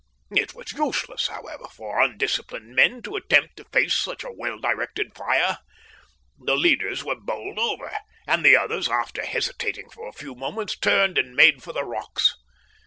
It was useless, however, for undisciplined men to attempt to face such a well directed fire. The leaders were bowled over, and the others, after hesitating for a few moments, turned and made for the rocks.